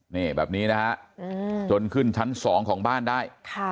นี่แบบนี้นะฮะจนขึ้นชั้น๒ของบ้านได้